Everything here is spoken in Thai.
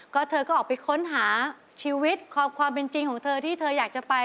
ก็เธอก็ออกไปค้นหาชีวิตความเป็นจริงของเธอที่เธออยากจะไป